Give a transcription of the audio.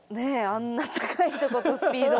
あんな高いとことスピード。